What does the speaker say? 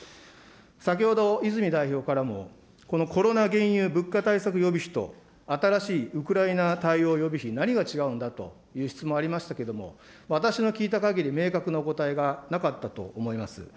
先ほど、泉代表からもこのコロナ・原油・物価対策予備費と、新しいウクライナ対応予備費、何が違うんだという質問がありましたけれども、私の聞いたかぎり、明確なお答えがなかったと思います。